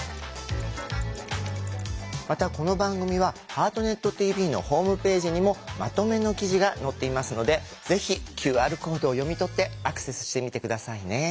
またこの番組は「ハートネットＴＶ」のホームページにもまとめの記事が載っていますのでぜひＱＲコードを読み取ってアクセスしてみて下さいね。